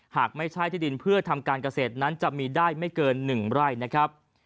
หากไม่ใช่ที่ดินเพื่อทำการเกษตรนั้นจะมีได้ไม่เกิน๑ไร่นะครับ